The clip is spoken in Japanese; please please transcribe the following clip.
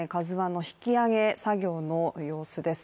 「ＫＡＺＵ１」の引き揚げ作業の様子です